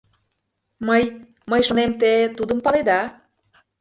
— Мый... мый шонем, те тудым паледа.